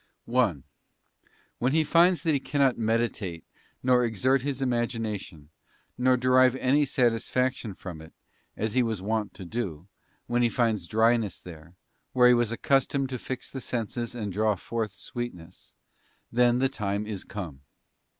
1. When he finds that he cannot meditate nor exert his imagination, nor derive any satisfaction from it, as he was wont to do—when he finds dryness there, where he was accustomed to fix the senses and draw forth sweetness—then the time is come.